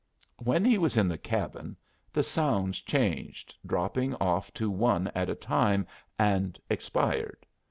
When he was in the cabin the sounds changed, dropping off to one at a time, and expired.